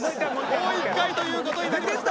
もう１回という事になりました。